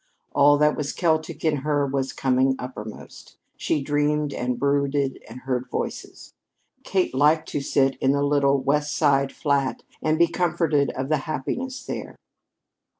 All that was Celtic in her was coming uppermost. She dreamed and brooded and heard voices. Kate liked to sit in the little West Side flat and be comforted of the happiness there.